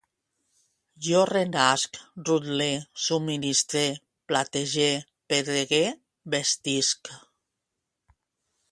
Jo renasc, rutle, subministre, platege, pedregue, vestisc